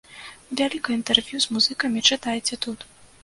Вялікае інтэрв'ю з музыкамі чытайце тут!